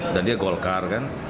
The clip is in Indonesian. dan dia golkar kan